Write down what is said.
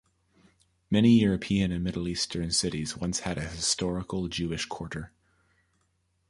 Many European and Middle Eastern cities once had a historical Jewish quarter.